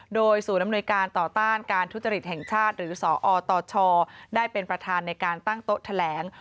โดยศูนย์อำนวยการต่อต้านการทุจริตแห่งชาติหรือสอตชได้เป็นประธานในการตั้งโต๊ะแถลง